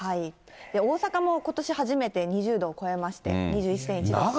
大阪もことし初めて２０度を超えまして、２１．１度。